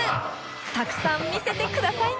たくさん見せてくださいね！